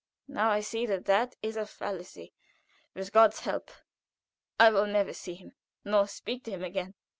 Now I see that that is a fallacy. With God's help I will never see him nor speak to him again.